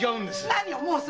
何を申す。